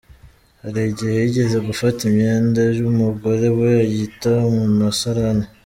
Hari igihe yigeze gufata imyenda y’umugore we ayita mu musarane.